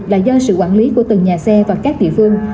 là do sự quản lý của từng nhà xe và các địa phương